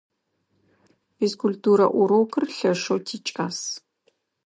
Физкультурэ урокыр лъэшэу тикӏас.